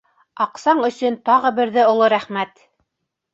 Аҡсаң өсөн тағы берҙе оло рәхмәт!